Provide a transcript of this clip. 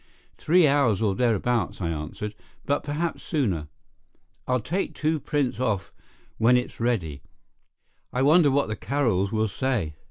"Three hours or thereabouts," I answered, "but perhaps sooner. I'll take two prints off when it is ready. I wonder what the Carrolls will say."